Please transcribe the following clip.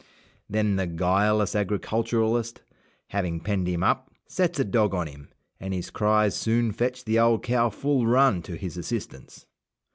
Then the guileless agriculturist, having penned him up, sets a dog on him, and his cries soon fetch the old cow full run to his assistance.